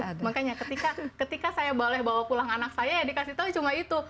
nah makanya ketika saya boleh bawa pulang anak saya ya dikasih tahu cuma itu